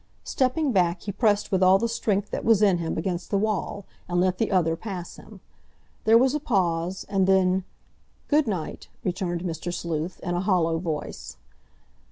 Stepping back he pressed with all the strength that was in him against the wall, and let the other pass him. There was a pause, and then—"Good night," returned Mr. Sleuth, in a hollow voice.